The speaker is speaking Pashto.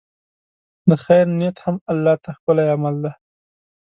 د خیر نیت هم الله ته ښکلی عمل دی.